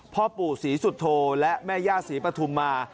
พ่อปู่ศรีสุโธและแม่ย่าศรีปฐุมมา